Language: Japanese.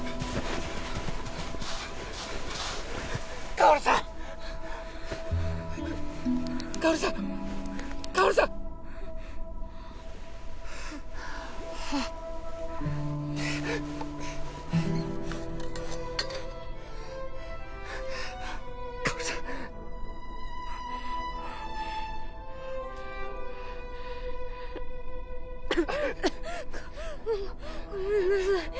薫さん薫さん薫さん薫さんごごめんなさい